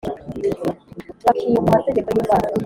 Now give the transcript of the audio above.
Bakibuka amategeko yimana